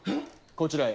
こちらへ。